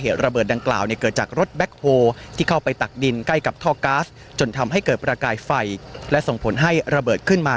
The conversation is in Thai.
ระเบิดดังกล่าวเนี่ยเกิดจากรถแบ็คโฮที่เข้าไปตักดินใกล้กับท่อก๊าซจนทำให้เกิดประกายไฟและส่งผลให้ระเบิดขึ้นมา